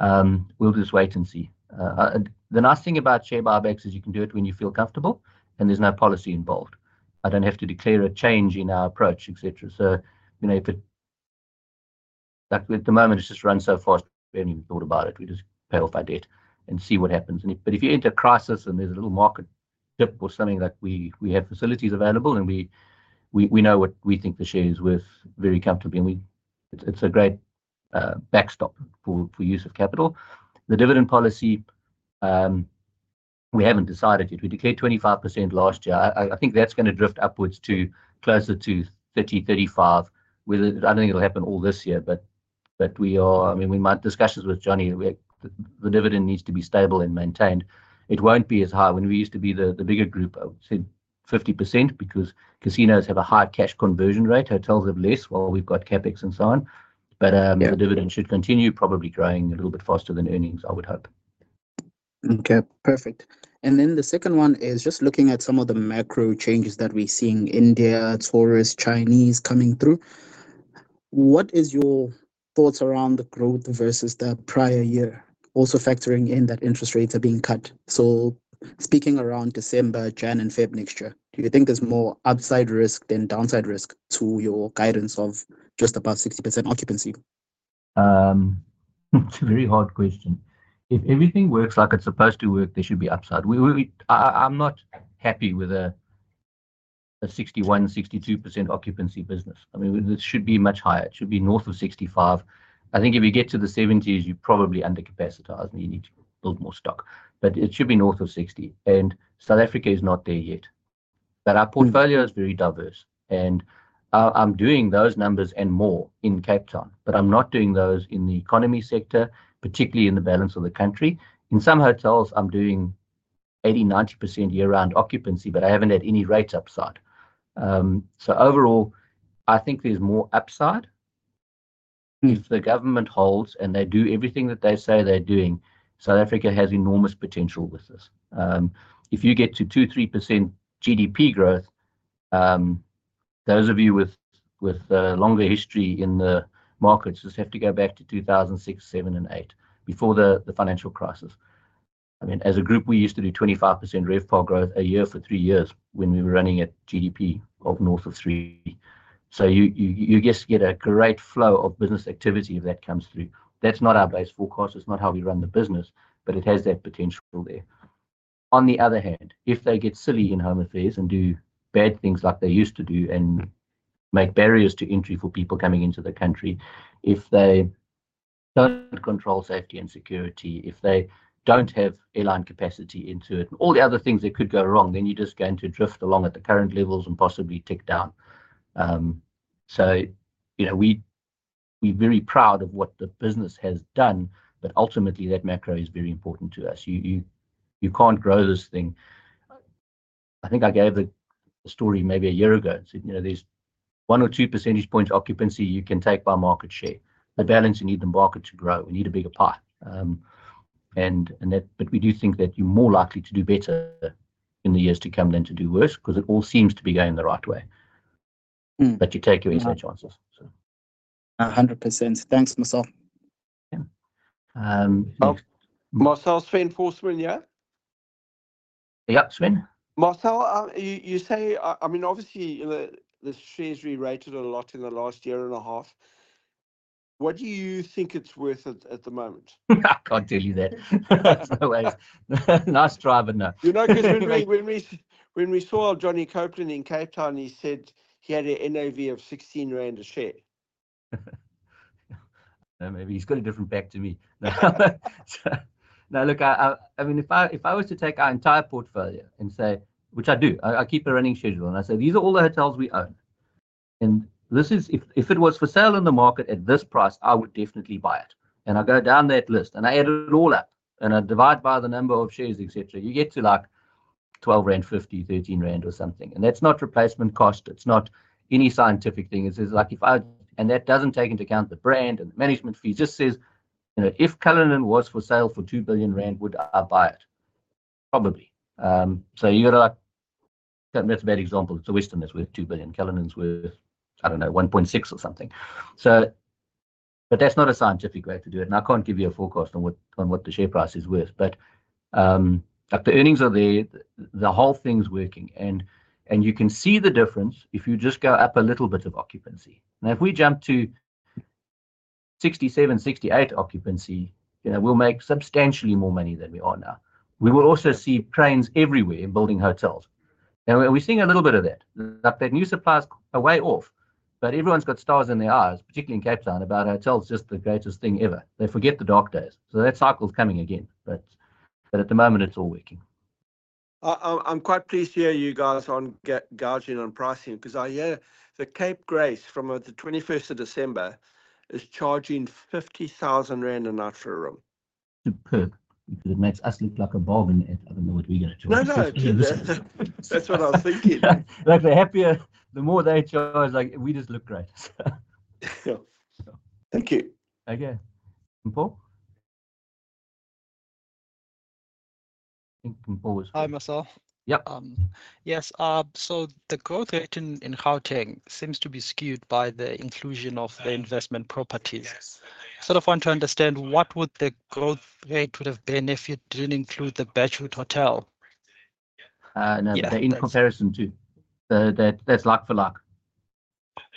We'll just wait and see. The nice thing about share buybacks is you can do it when you feel comfortable, and there's no policy involved. I don't have to declare a change in our approach, etc. So at the moment, it's just run so fast we haven't even thought about it. We just pay off our debt and see what happens. But if you enter a crisis and there's a little market dip or something, we have facilities available, and we know what we think the share is worth very comfortably, and it's a great backstop for use of capital. The dividend policy, we haven't decided yet. We declared 25% last year. I think that's going to drift upwards to closer to 30-35. I don't think it'll happen all this year, but I mean, we've had discussions with Johnny. The dividend needs to be stable and maintained. It won't be as high. When we used to be the bigger group, I would say 50% because casinos have a higher cash conversion rate. Hotels have less while we've got CapEx and so on. But the dividend should continue probably growing a little bit faster than earnings, I would hope. Okay. Perfect. And then the second one is just looking at some of the macro changes that we're seeing in India, tourists, Chinese coming through. What is your thoughts around the growth versus the prior year, also factoring in that interest rates are being cut? So speaking around December, January, and February next year, do you think there's more upside risk than downside risk to your guidance of just about 60% occupancy? It's a very hard question. If everything works like it's supposed to work, there should be upside. I'm not happy with a 61%-62% occupancy business. I mean, it should be much higher. It should be north of 65%. I think if you get to the 70%, you're probably undercapacitised. You need to build more stock. But it should be north of 60%. And South Africa is not there yet. But our portfolio is very diverse. And I'm doing those numbers and more in Cape Town, but I'm not doing those in the economy sector, particularly in the balance of the country. In some hotels, I'm doing 80%-90% year-round occupancy, but I haven't had any rate upside. So overall, I think there's more upside. If the government holds and they do everything that they say they're doing, South Africa has enormous potential with this. If you get to 2%-3% GDP growth, those of you with longer history in the markets just have to go back to 2006, 2007, and 2008 before the financial crisis. I mean, as a group, we used to do 25% RevPAR growth a year for three years when we were running at GDP of north of 3. So you just get a great flow of business activity if that comes through. That's not our base forecast. It's not how we run the business, but it has that potential there. On the other hand, if they get silly in Home Affairs and do bad things like they used to do and make barriers to entry for people coming into the country, if they don't control safety and security, if they don't have airline capacity into it, and all the other things that could go wrong, then you're just going to drift along at the current levels and possibly tick down. So we're very proud of what the business has done, but ultimately, that macro is very important to us. You can't grow this thing. I think I gave the story maybe a year ago. There's one or two percentage points occupancy you can take by market share. The balance, you need the market to grow. We need a bigger pie. But we do think that you're more likely to do better in the years to come than to do worse because it all seems to be going the right way. But you take your easy chances. 100%. Thanks, Marcel. Yeah. Marcel, Sven Thordsen, yeah? Yep, Sven? Marcel, you say, I mean, obviously, the shares re-rated a lot in the last year and a half. What do you think it's worth at the moment? I can't tell you that. No way. Nice driving now. You know, because when we saw Johnny Copelyn in Cape Town, he said he had a NAV of 16 rand a share. Maybe he's got a different NAV to me. No, look, I mean, if I was to take our entire portfolio and say, which I do, I keep a running schedule, and I say, "These are all the hotels we own." And if it was for sale in the market at this price, I would definitely buy it. And I go down that list, and I add it all up, and I divide by the number of shares, etc. You get to like 12 rand, 15 rand, 13 rand or something. And that's not replacement cost. It's not any scientific thing. It's like if I... And that doesn't take into account the brand and the management fee. It just says, "If Cullinan was for sale for 2 billion rand, would I buy it?" Probably. So you got to... That's a bad example. It's a Westin is worth 2 billion. Cullinan's worth, I don't know, 1.6 or something. But that's not a scientific way to do it. And I can't give you a forecast on what the share price is worth. But the earnings are there. The whole thing's working. And you can see the difference if you just go up a little bit of occupancy. Now, if we jump to 67-68 occupancy, we'll make substantially more money than we are now. We will also see cranes everywhere in building hotels. And we're seeing a little bit of that. That new supply's a way off. But everyone's got stars in their eyes, particularly in Cape Town, about hotels just the greatest thing ever. They forget the dark days. So that cycle's coming again. But at the moment, it's all working. I'm quite pleased to hear you guys on gouging on pricing because I hear the Cape Grace from the 21st of December is charging 50,000 rand a night for a room. Superb. It makes us look like a bargain at... I don't know what we're going to charge. No, no. That's what I was thinking. The more they charge, we just look great. Thank you. Okay. And Paul? I think Paul was... Hi, Marcel. Yep. Yes. So the growth rate in Gauteng seems to be skewed by the inclusion of the investment properties. Sort of want to understand what would the growth rate would have been if you didn't include the Birchwood Hotel? No, in comparison too. That's like for like.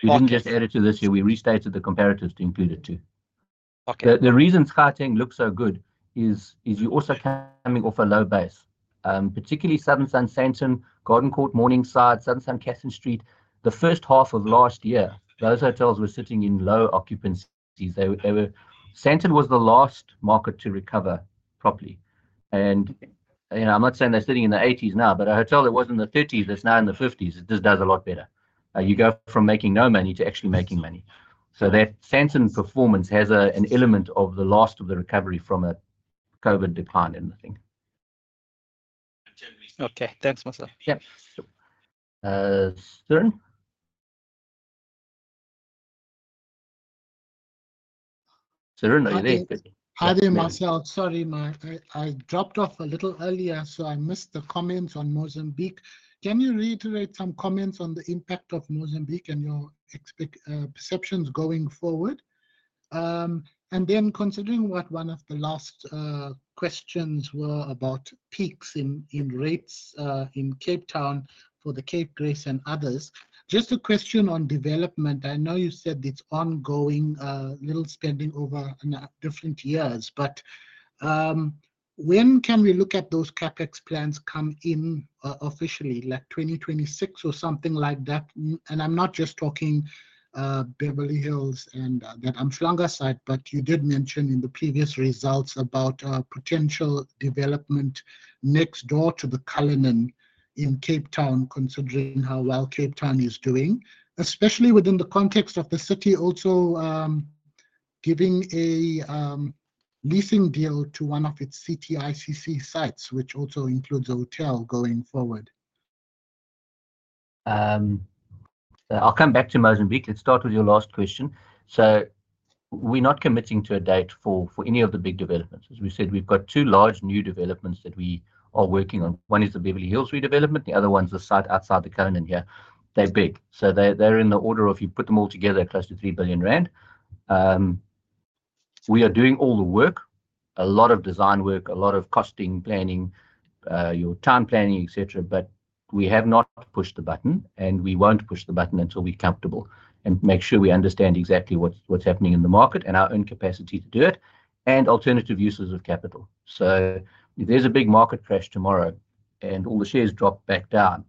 We didn't just add it to this year. We restated the comparatives to include it too. The reason Gauteng looks so good is you're also coming off a low base, particularly Southern Sun Sandton, Garden Court Morningside, Southern Sun Katherine Street. The first half of last year, those hotels were sitting in low occupancies. Sandton was the last market to recover properly. And I'm not saying they're sitting in the 80s now, but a hotel that was in the 30s that's now in the 50s, it just does a lot better. You go from making no money to actually making money. So that Sandton performance has an element of the last of the recovery from a COVID decline in the thing. Okay. Thanks, Marcel. Yep. Cerin? Cerin, are you there? Hi there, Marcel. Sorry. I dropped off a little earlier, so I missed the comments on Mozambique. Can you reiterate some comments on the impact of Mozambique and your perceptions going forward? Then considering what one of the last questions were about peaks in rates in Cape Town for the Cape Grace and others, just a question on development. I know you said it's ongoing, a little spending over different years, but when can we look at those CapEx plans come in officially, like 2026 or something like that? And I'm not just talking Beverly Hills and that uMhlanga site, but you did mention in the previous results about potential development next door to the Cullinan in Cape Town, considering how well Cape Town is doing, especially within the context of the city also giving a leasing deal to one of its CTICC sites, which also includes a hotel going forward. I'll come back to Mozambique. Let's start with your last question. So we're not committing to a date for any of the big developments. As we said, we've got two large new developments that we are working on. One is the Beverly Hills redevelopment. The other one's a site outside the Cullinan here. They're big. So they're in the order of, if you put them all together, close to 3 billion rand. We are doing all the work, a lot of design work, a lot of costing planning, your town planning, etc., but we have not pushed the button, and we won't push the button until we're comfortable and make sure we understand exactly what's happening in the market and our own capacity to do it, and alternative uses of capital. So if there's a big market crash tomorrow and all the shares drop back down,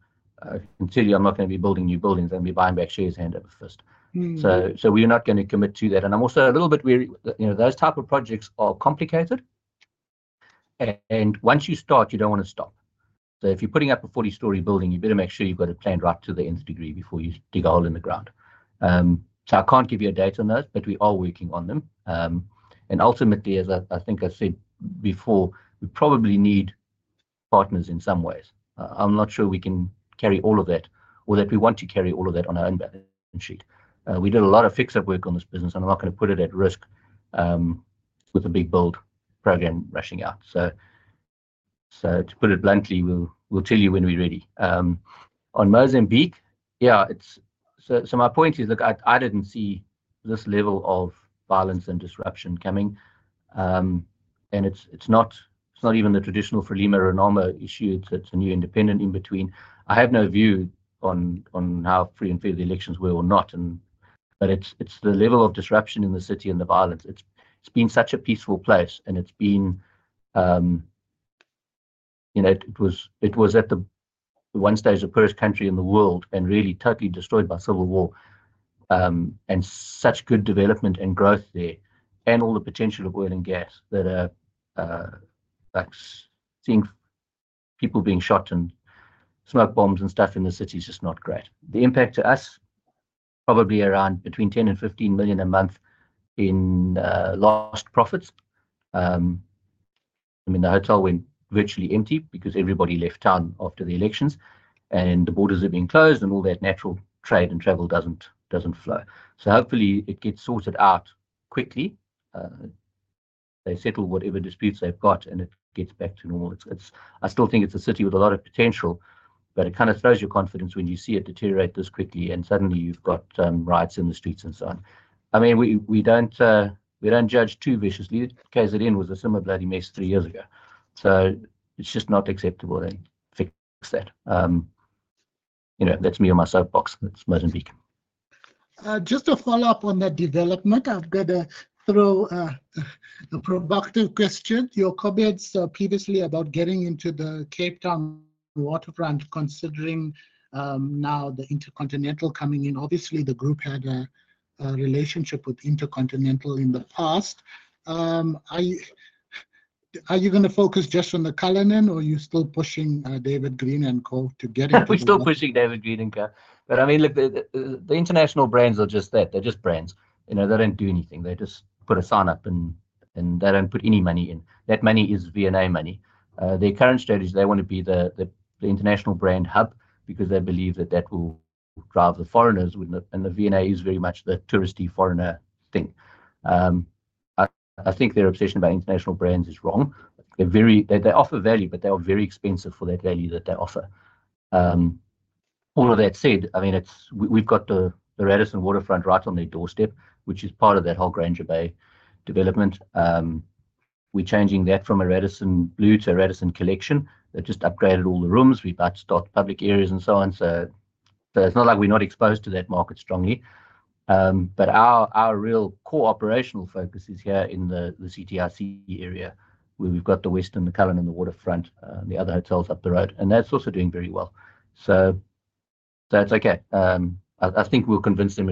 considering I'm not going to be building new buildings, I'm going to be buying back shares hand over fist. So we're not going to commit to that. And I'm also a little bit worried. Those type of projects are complicated. And once you start, you don't want to stop. So if you're putting up a 40-story building, you better make sure you've got it planned right to the nth degree before you dig a hole in the ground. So I can't give you a date on those, but we are working on them. And ultimately, as I think I said before, we probably need partners in some ways. I'm not sure we can carry all of that or that we want to carry all of that on our own balance sheet. We did a lot of fix-up work on this business, and I'm not going to put it at risk with a big build program rushing out. So to put it bluntly, we'll tell you when we're ready. On Mozambique, yeah, so my point is, look, I didn't see this level of violence and disruption coming. And it's not even the traditional FRELIMO or RENAMO issue. It's a new independent in between. I have no view on how free and fair the elections were or not. But it's the level of disruption in the city and the violence. It's been such a peaceful place, and it was at the one stage the poorest country in the world and really totally destroyed by civil war. And such good development and growth there and all the potential of oil and gas that seeing people being shot and smoke bombs and stuff in the city is just not great. The impact to us, probably around between 10 million and 15 million a month in lost profits. I mean, the hotel went virtually empty because everybody left town after the elections. And the borders are being closed, and all that natural trade and travel doesn't flow. So hopefully, it gets sorted out quickly. They settle whatever disputes they've got, and it gets back to normal. I still think it's a city with a lot of potential, but it kind of throws your confidence when you see it deteriorate this quickly and suddenly you've got riots in the streets and so on. I mean, we don't judge too viciously. KZN was a similar bloody mess three years ago. So it's just not acceptable to fix that. That's me and my soapbox. That's Mozambique. Just to follow up on that development, I've got a provocative question. Your comments previously about getting into the Cape Town Waterfront, considering now the InterContinental coming in. Obviously, the group had a relationship with InterContinental in the past. Are you going to focus just on the Cullinan, or are you still pushing David Green & Co. to get into it? We're still pushing David Green & Co. But I mean, look, the international brands are just that. They're just brands. They don't do anything. They just put a sign up, and they don't put any money in. That money is V&A money. Their current strategy, they want to be the international brand hub because they believe that that will drive the foreigners, and the V&A is very much the touristy foreigner thing. I think their obsession about international brands is wrong. They offer value, but they are very expensive for that value that they offer. All of that said, I mean, we've got the Radisson Waterfront right on their doorstep, which is part of that whole Granger Bay development. We're changing that from a Radisson Blu to a Radisson Collection. They just upgraded all the rooms. We've restocked public areas and so on. So it's not like we're not exposed to that market strongly. But our real core operational focus is here in the CTICC area where we've got the Westin, the Cullinan, the Waterfront, and the other hotels up the road. And that's also doing very well. So that's okay. I think we'll convince them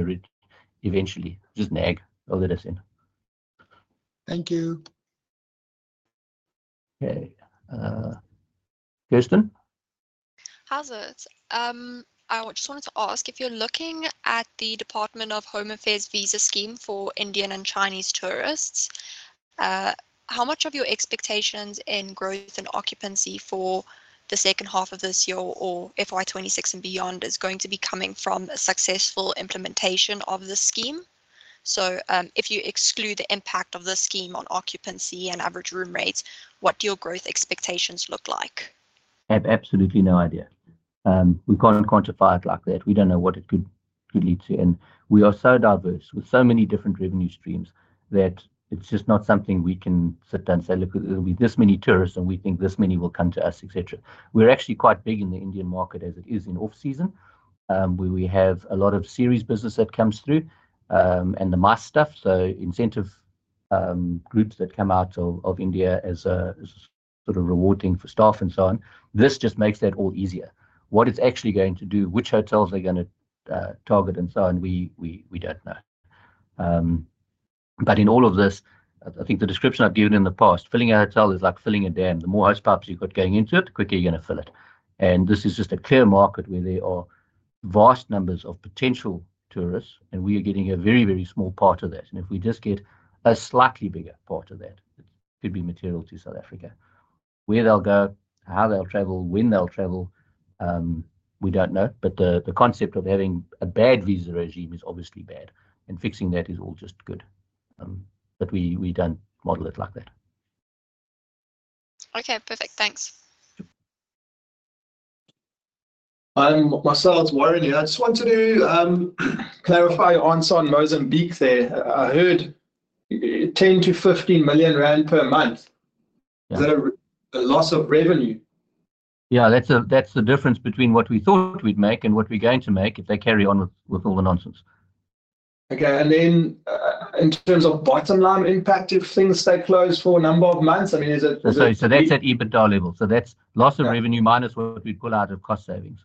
eventually. Just nag. They'll let us in. Thank you. Okay. Kirsten? How is it. I just wanted to ask, if you're looking at the Department of Home Affairs visa scheme for Indian and Chinese tourists, how much of your expectations in growth and occupancy for the second half of this year or FY26 and beyond is going to be coming from a successful implementation of the scheme? If you exclude the impact of the scheme on occupancy and average room rates, what do your growth expectations look like? I have absolutely no idea. We can't quantify it like that. We don't know what it could lead to, and we are so diverse with so many different revenue streams that it's just not something we can sit down and say, "Look, there'll be this many tourists, and we think this many will come to us," etc. We're actually quite big in the Indian market as it is in off-season where we have a lot of leisure business that comes through and the MICE stuff, so incentive groups that come out of India as sort of rewarding for staff and so on. This just makes that all easier. What it's actually going to do, which hotels they're going to target and so on, we don't know. But in all of this, I think the description I've given in the past, filling a hotel is like filling a dam. The more hose pipes you've got going into it, the quicker you're going to fill it. And this is just a clear market where there are vast numbers of potential tourists, and we are getting a very, very small part of that. And if we just get a slightly bigger part of that, it could be material to South Africa. Where they'll go, how they'll travel, when they'll travel, we don't know. But the concept of having a bad visa regime is obviously bad. And fixing that is all just good. But we don't model it like that. Okay. Perfect. Thanks. Marcel, Warren here. I just want to clarify your answer on Mozambique there. I heard 10million-15 million rand per month. Is that a loss of revenue? Yeah. That's the difference between what we thought we'd make and what we're going to make if they carry on with all the nonsense. Okay. And then in terms of bottom line impact, if things stay closed for a number of months, I mean, is it? So that's at EBITDA level. So that's loss of revenue minus what we pull out of cost savings.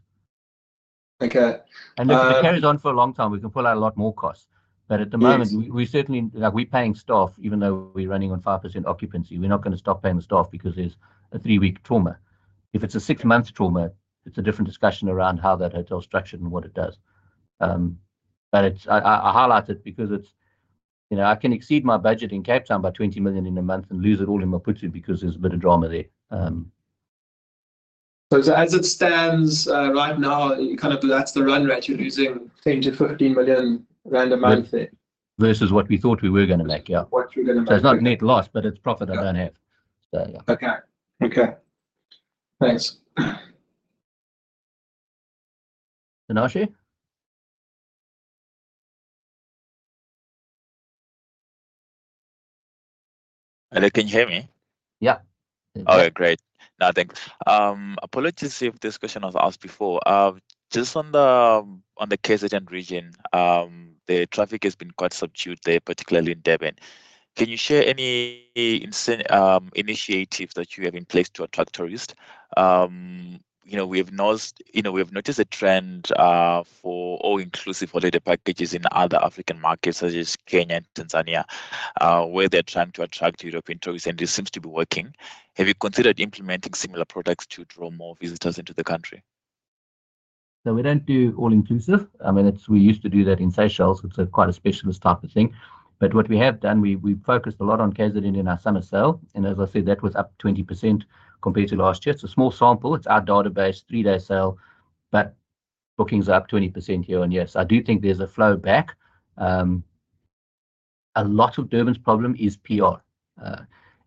Okay. And if it carries on for a long time, we can pull out a lot more costs. But at the moment, we're paying staff, even though we're running on 5% occupancy. We're not going to stop paying the staff because there's a three-week trauma. If it's a six-month trauma, it's a different discussion around how that hotel is structured and what it does. But I highlight it because I can exceed my budget in Cape Town by 20 million in a month and lose it all in Maputo because there's a bit of drama there. So as it stands right now, kind of that's the run rate you're losing, 10 million-15 million rand a month there? Versus what we thought we were going to make, yeah. So it's not net loss, but it's profit I don't have. So yeah. Okay. Okay. Thanks. Inosh? Hello. Can you hear me? Yeah. All right. Great. No, thanks. Apologies if this question was asked before. Just on the KZN region, the traffic has been quite subdued there, particularly in Durban. Can you share any initiatives that you have in place to attract tourists? We have noticed a trend for all-inclusive holiday packages in other African markets, such as Kenya and Tanzania, where they're trying to attract European tourists, and this seems to be working. Have you considered implementing similar products to draw more visitors into the country? So we don't do all-inclusive. I mean, we used to do that in Seychelles. It's quite a specialist type of thing. But what we have done, we've focused a lot on KZN in our summer sale. And as I said, that was up 20% compared to last year. It's a small sample. It's our database, three-day sale. But bookings are up 20% year-on-year. So I do think there's a flow back. A lot of Durban's problem is PR.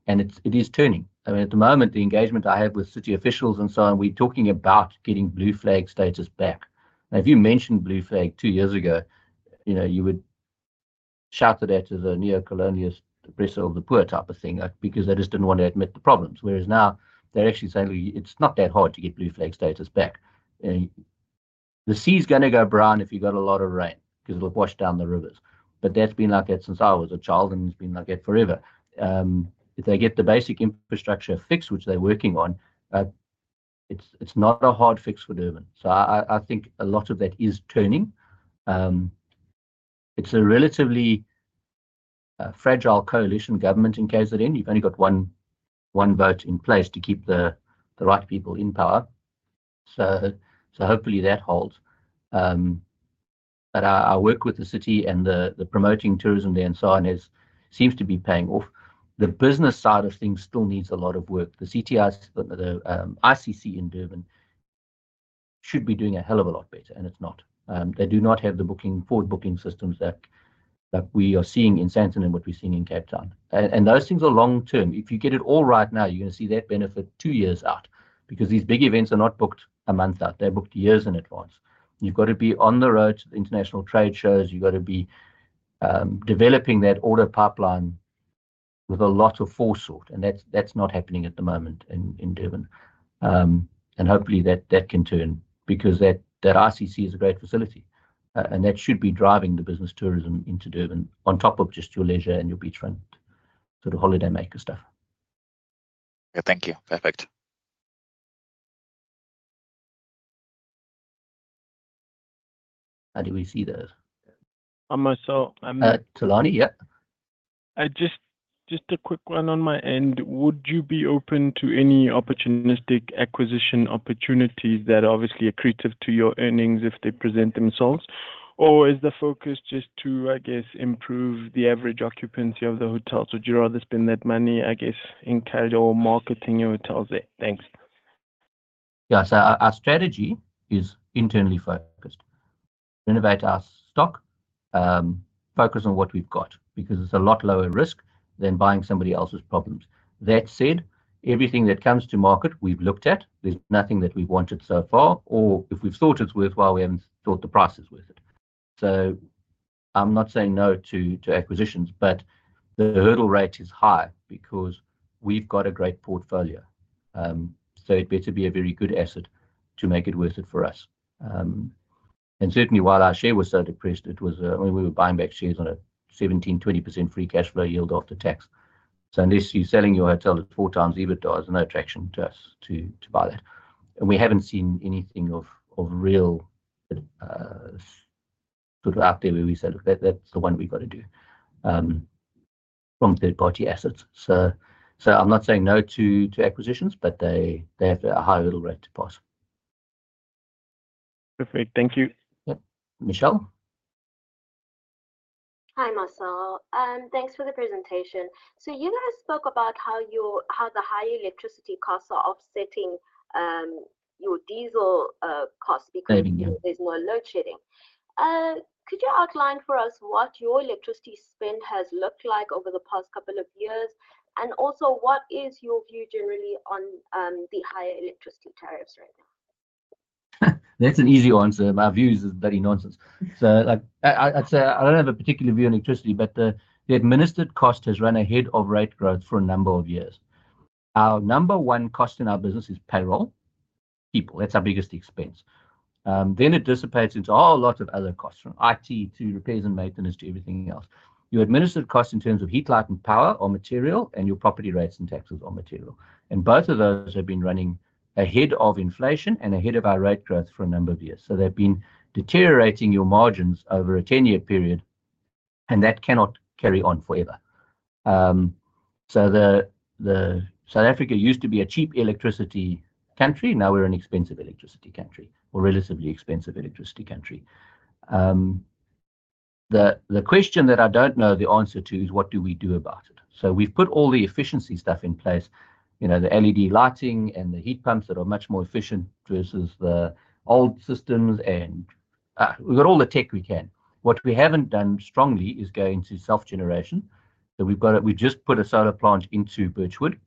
And it is turning. I mean, at the moment, the engagement I have with city officials and so on, we're talking about getting Blue Flag status back. Now, if you mentioned Blue Flag two years ago, you would shout at that as a neo-colonialist oppressor of the poor type of thing because they just didn't want to admit the problems. Whereas now, they're actually saying it's not that hard to get Blue Flag status back. The sea is going to go brown if you've got a lot of rain because it'll wash down the rivers. But that's been like that since I was a child, and it's been like that forever. If they get the basic infrastructure fixed, which they're working on, it's not a hard fix for Durban. So I think a lot of that is turning. It's a relatively fragile coalition government in KZN. You've only got one vote in place to keep the right people in power. So hopefully, that holds. But our work with the city and the promoting tourism there and so on seems to be paying off. The business side of things still needs a lot of work. The ICC in Durban should be doing a hell of a lot better, and it's not. They do not have the forward booking systems that we are seeing in Sandton and what we're seeing in Cape Town. And those things are long-term. If you get it all right now, you're going to see that benefit two years out because these big events are not booked a month out. They're booked years in advance. You've got to be on the road to the international trade shows. You've got to be developing that order pipeline with a lot of foresight. And that's not happening at the moment in Durban. And hopefully, that can turn because that ICC is a great facility. And that should be driving the business tourism into Durban on top of just your leisure and your beachfront sort of holidaymaker stuff. Yeah. Thank you. Perfect. How do we see those? Hi, Marcel. I'm... Thulani. Yeah. Just a quick one on my end. Would you be open to any opportunistic acquisition opportunities that are obviously accretive to your earnings if they present themselves? Or is the focus just to, I guess, improve the average occupancy of the hotels? Would you rather spend that money, I guess, in paid marketing your hotels there? Thanks. Yeah. So our strategy is internally focused. Renovate our stock, focus on what we've got because it's a lot lower risk than buying somebody else's problems. That said, everything that comes to market, we've looked at. There's nothing that we've wanted so far. Or if we've thought it's worthwhile, we haven't thought the price is worth it. So I'm not saying no to acquisitions, but the hurdle rate is high because we've got a great portfolio. So it'd better be a very good asset to make it worth it for us. And certainly, while our share was so depressed, we were buying back shares on a 17%-20% free cash flow yield after tax. So unless you're selling your hotel at four times EBITDA, there's no attraction to us to buy that. And we haven't seen anything of real sort of out there where we said, "Look, that's the one we've got to do from third-party assets." So I'm not saying no to acquisitions, but they have a high hurdle rate to pass. Perfect. Thank you. Michelle? Hi, Marcel. Thanks for the presentation. So you guys spoke about how the high electricity costs are offsetting your diesel costs because there's no load shedding. Could you outline for us what your electricity spend has looked like over the past couple of years? And also, what is your view generally on the higher electricity tariffs right now? That's an easy answer. My view is very nonsense. So I'd say I don't have a particular view on electricity, but the administered cost has run ahead of rate growth for a number of years. Our number one cost in our business is payroll people. That's our biggest expense. Then it dissipates into a whole lot of other costs, from IT to repairs and maintenance to everything else. Your administered cost in terms of heat, light, and power or material, and your property rates and taxes on material. And both of those have been running ahead of inflation and ahead of our rate growth for a number of years. So they've been deteriorating your margins over a 10-year period, and that cannot carry on forever. So South Africa used to be a cheap electricity country. Now we're an expensive electricity country or relatively expensive electricity country. The question that I don't know the answer to is, what do we do about it? So we've put all the efficiency stuff in place, the LED lighting and the heat pumps that are much more efficient versus the old systems. And we've got all the tech we can. What we haven't done strongly is going to self-generation. So we've just put a solar plant into Birchwood,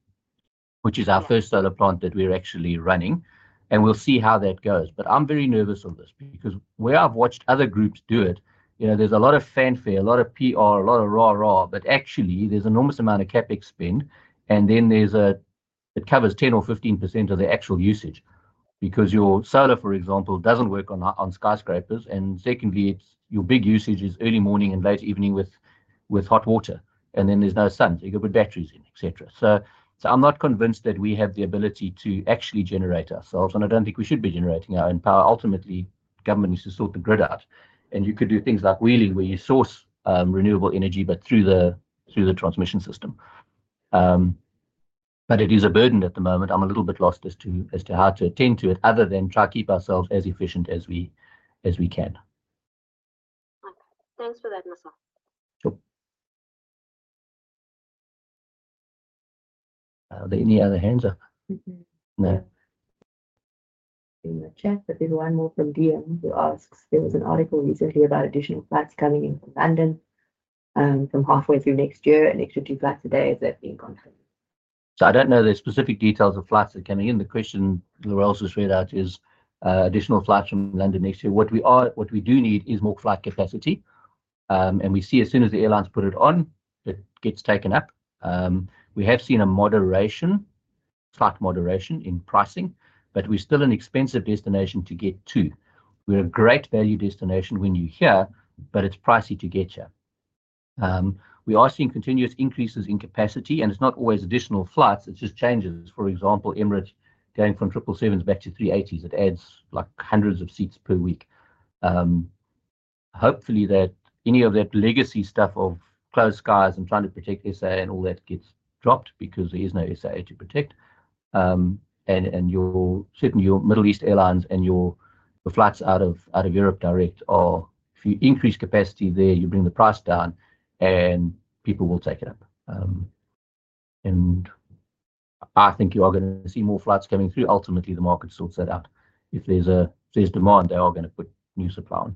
which is our first solar plant that we're actually running. And we'll see how that goes. But I'm very nervous of this because where I've watched other groups do it, there's a lot of fanfare, a lot of PR, a lot of rah-rah, but actually, there's an enormous amount of CapEx spend, and then it covers 10% or 15% of the actual usage because your solar, for example, doesn't work on skyscrapers, and secondly, your big usage is early morning and late evening with hot water, and then there's no sun, so you've got to put batteries in, etc. So I'm not convinced that we have the ability to actually generate ourselves, and I don't think we should be generating our own power. Ultimately, government needs to sort the grid out, and you could do things like wheeling where you source renewable energy, but through the transmission system. But it is a burden at the moment. I'm a little bit lost as to how to attend to it other than try to keep ourselves as efficient as we can. Okay. Thanks for that, Marcel. Sure. Are there any other hands up? No. In the chat, but there's one more from DM who asks, "There was an article recently about additional flights coming into London from halfway through next year. Additional flights today, is that being contributed?" So I don't know the specific details of flights that are coming in. The question we're also straight out is additional flights from London next year. What we do need is more flight capacity. And we see as soon as the airlines put it on, it gets taken up. We have seen a moderation, slight moderation in pricing, but we're still an expensive destination to get to. We're a great value destination when you're here, but it's pricey to get here. We are seeing continuous increases in capacity. And it's not always additional flights. It's just changes. For example, Emirates going from 777s back to 380s. It adds hundreds of seats per week. Hopefully, any of that legacy stuff of closed skies and trying to protect SAA and all that gets dropped because there is no SAA to protect. And certainly, your Middle East airlines and your flights out of Europe direct, if you increase capacity there, you bring the price down, and people will take it up. And I think you are going to see more flights coming through. Ultimately, the market sorts that out. If there's demand, they are going to put new supply.